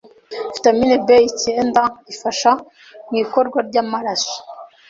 Vitamin B icyenda ifasha mu ikorwa ry’amaraso,